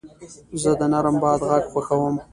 زه د نرم باد غږ خوښوم.